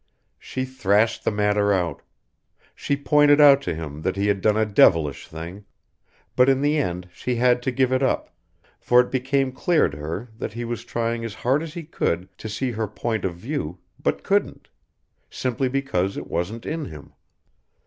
She thrashed the matter out; she pointed out to him that he had done a devilish thing; but in the end she had to give it up, for it became clear to her that he was trying as hard as he could to see her point of view but couldn't, simply because it wasn't in him.